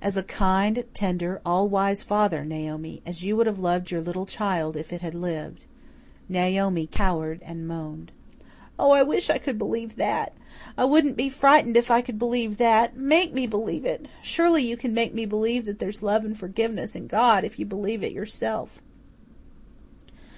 As a kind, tender, all wise father, Naomi as you would have loved your little child if it had lived." Naomi cowered and moaned. "Oh, I wish I could believe THAT. I wouldn't be frightened if I could believe that. MAKE me believe it. Surely you can make me believe that there's love and forgiveness in God if you believe it yourself."